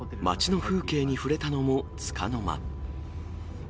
街の風景に触れたのもつかの間。